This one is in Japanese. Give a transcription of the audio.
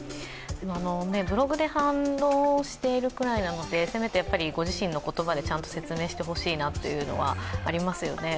ブログで反論しているくらいなので、せめてご自身の言葉でちゃんと説明してほしいなというのはありますよね。